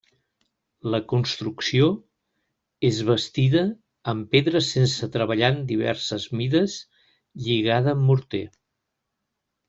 La construcció és bastida amb pedra sense treballar de diverses mides, lligada amb morter.